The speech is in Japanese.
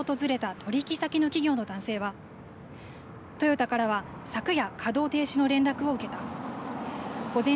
また工場を訪れた取引先の企業の男性はトヨタからは昨夜、稼働停止の連絡を受けた。